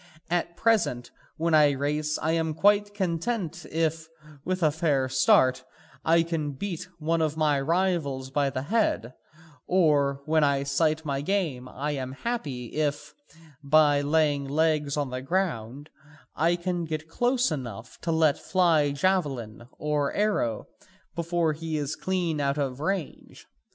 At present when I race I am quiet content if, with a fair start, I can beat one of my rivals by the head, or when I sight my game I am happy if, by laying legs to the ground, I can get close enough to let fly javelin or arrow before he is clean out of range.